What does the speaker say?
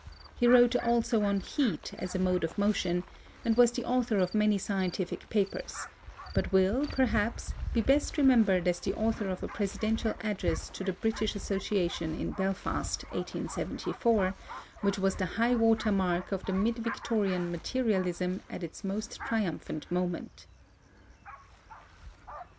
He wrote also on heat as a mode of motion and was the author of many scientific papers, but will, perhaps, be best remembered as the author of a Presidential Address to the British Association in Belfast (1874), which was the highwater mark of the mid Victorian materialism at its most triumphant moment.